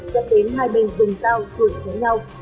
dẫn đến hai bên dùng dao cùi chết nhau